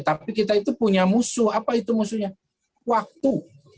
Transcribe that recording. tapi kita itu punya musuh apa itu musuhnya waktu